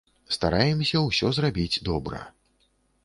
Стараемся ўсё зрабіць добра.